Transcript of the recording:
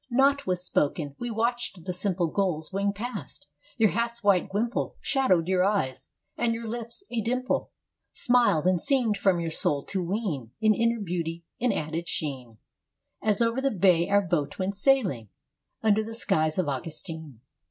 Naught was spoken. We watched the simple Gulls wing past. Your hat's white wimple Shadowed your eyes. And your lips, a dimple, Smiled and seemed from your soul to wean An inner beauty, an added sheen, As over the bay our boat went sailing Under the skies of Augustine.